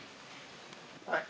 はい。